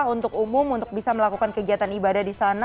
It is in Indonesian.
untuk umum untuk bisa melakukan kegiatan ibadah di sana